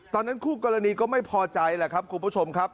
คู่กรณีก็ไม่พอใจแหละครับคุณผู้ชมครับ